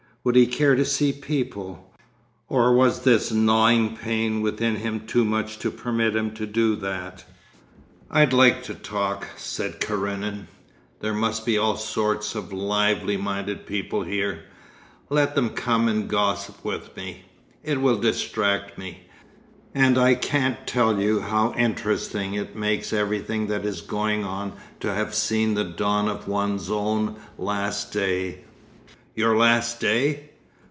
Would he care to see people? Or was this gnawing pain within him too much to permit him to do that? 'I'd like to talk,' said Karenin. 'There must be all sorts of lively minded people here. Let them come and gossip with me. It will distract me—and I can't tell you how interesting it makes everything that is going on to have seen the dawn of one's own last day.' 'Your last day!